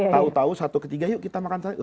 tahu tahu satu ketiga yuk kita makan sate kambing